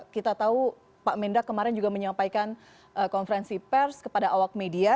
kita tahu pak mendak kemarin juga menyampaikan konferensi pers kepada awak media